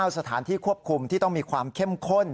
สถานที่ควบคุมที่ต้องมีความเข้มข้น